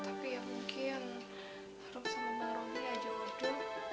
tapi mungkin harus sama bang rony aja berdua